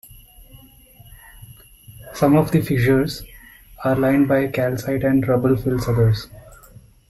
Some of the fissures are lined by calcite and rubble fills others.